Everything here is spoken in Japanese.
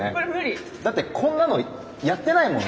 だってこんなのやってないもん